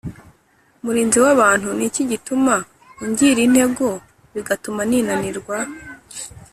murinzi w’abantu’ ni iki gituma ungira intego, bigatuma ninanirwa’